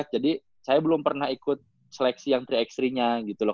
jadi saya belum pernah ikut seleksi yang tiga ax tiga nya gitu loh